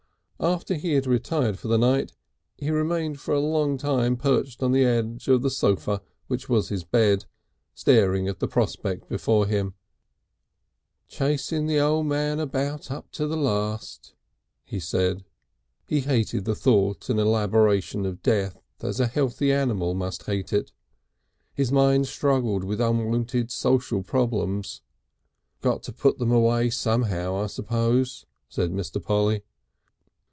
After he had retired for the night he remained for a long time perched on the edge of the sofa which was his bed, staring at the prospect before him. "Chasing the O' Man about up to the last," he said. He hated the thought and elaboration of death as a healthy animal must hate it. His mind struggled with unwonted social problems. "Got to put 'em away somehow, I suppose," said Mr. Polly.